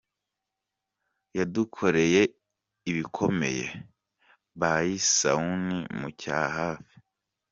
Yadukoreye ibikomeye by Sauni mu Cyahafi.